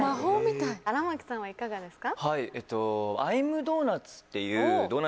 荒牧さんはいかがですか？